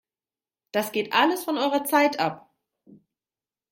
Das geht alles von eurer Zeit ab!